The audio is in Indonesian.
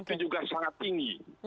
itu juga sangat tinggi